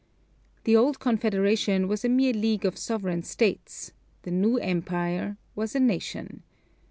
The old Confederation was a mere league of sovereign States; the new Empire was a nation.